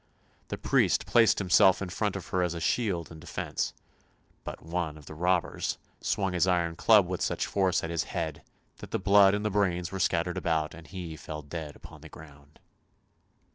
The priest placed himself in front of her as a shield and defence; but one of the robbers 294 ANDERSEN'S FAIRY TALES swung his iron club with such force at his head that the blood and the brains were scattered about, and he fell dead upon the ground.